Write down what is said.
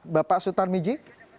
bapak sutar miji